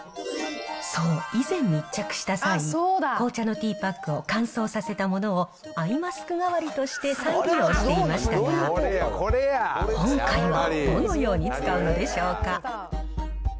そう、以前密着した際、紅茶のティーパックを乾燥させたものをアイマスク代わりとして、再利用していましたが、今回はどのように使うのでしょうか。